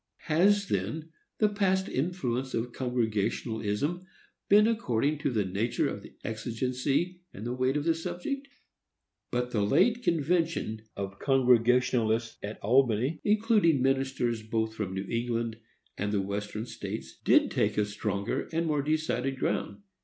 Has, then, the past influence of Congregationalism been according to the nature of the exigency and the weight of the subject? But the late convention of Congregationalists at Albany, including ministers both from New England and the Western States, did take a stronger and more decided ground.